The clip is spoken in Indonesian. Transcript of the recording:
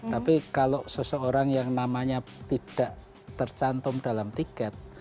tapi kalau seseorang yang namanya tidak tercantum dalam tiket